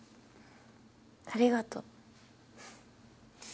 ありがとう。